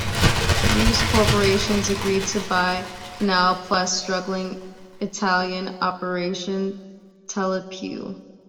News Corporation agreed to buy Canal Plus's struggling Italian operation Telepiu.